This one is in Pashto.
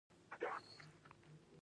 څنګه کولی شم موټر سایکل چلول زده کړم